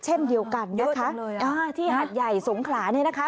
เช่นเดียวกันนะคะที่หาดใหญ่สงขลาเนี่ยนะคะ